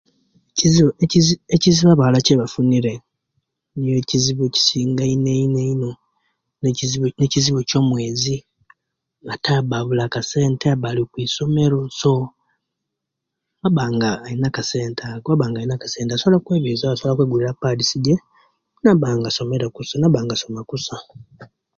Ekizibu ekizi ekiziibu abaala kyebafunira niyo kiziibu ekisinga eino eino ekizi ekiziibu kyomwezi ate aba abula kasente aba alikwisomero so abanga alina akasente ako abanga alina akasente asobola okwebesiawo asobola okwegulira paadisi gye nabanga asomere nabanga asoma kusa